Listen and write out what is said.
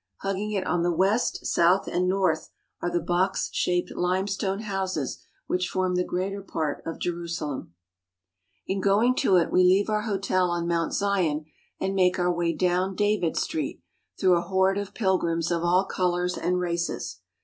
Hugging it on the west, south, and north are the box shaped limestone houses which form the greater part of Jerusalem. In going to it we leave our hotel on Mount Zion and make our way down David Street through a horde of pilgrims of all colours and races.